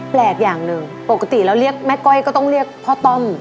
แปลกอย่างหนึ่งปกติแล้วเรียกแม่ก้อยก็ต้องเรียกพ่อต้อม